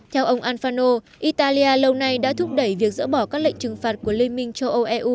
theo ông al fano italia lâu nay đã thúc đẩy việc dỡ bỏ các lệnh trừng phạt của liên minh châu âu eu